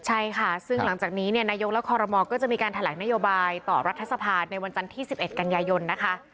ใช่ค่ะซึ่งหลังจากนี้เนี่ยนายกและคอรมอลก็จะมีการแถลงนโยบายต่อรัฐสภาในวันจันทร์ที่๑๑กันยายนนะคะ